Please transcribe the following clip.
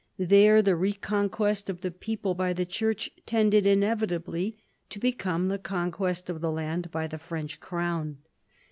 There the reconquest of the people by the church tended inevitably to become the conquest of the land by the French crown.